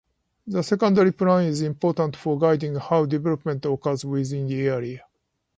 The Secondary Plan is important for guiding how development occurs within the area.